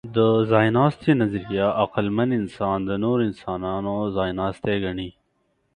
د ځایناستي نظریه عقلمن انسان د نورو انسانانو ځایناستی ګڼي.